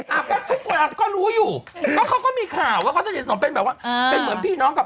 ทุกคนก็รู้อยู่เขาก็มีข่าวว่าเขาเป็นเหมือนพี่น้องกับ